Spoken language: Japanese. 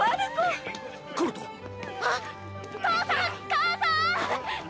母さん！！